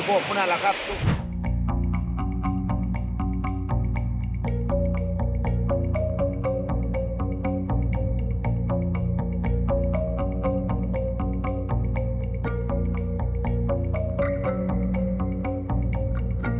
พวกมันกำลังพูดได้